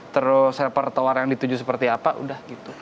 terus server tower yang dituju seperti apa udah gitu